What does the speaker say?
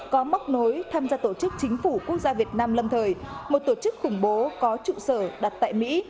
có móc nối tham gia tổ chức chính phủ quốc gia việt nam lâm thời một tổ chức khủng bố có trụ sở đặt tại mỹ